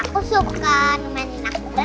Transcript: papa aku suka